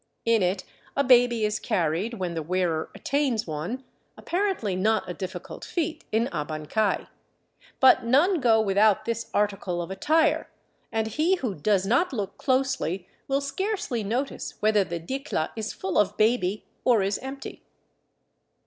In it a baby is carried when the wearer attains one, apparently not a diffi cult feat in Abancay. But none go without this article of attire, and he who does not look closely will scarcely notice whether the dicclla is full of baby, or is empty.